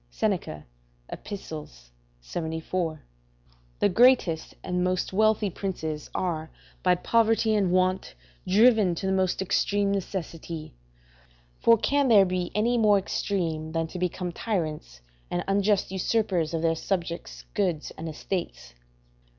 Seneca, Ep., 74.] The greatest and most wealthy princes are by poverty and want driven to the most extreme necessity; for can there be any more extreme than to become tyrants and unjust usurpers of their subjects' goods and estates?